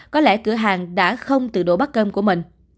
có lẽ cửa hàng đã không từ đổ bắt cơm của mình